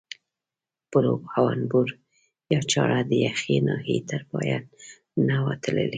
پروب او انبور یا چاړه د یخې ناحیې تر پایه نه وه تللې.